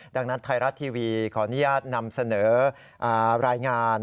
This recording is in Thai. ดังนั้นไทยรัฐทีวีขออนุญาตนำเสนอรายงาน